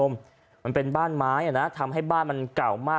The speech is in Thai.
มันเป็นบ้านไม้ทำให้บ้านมันเก่ามาก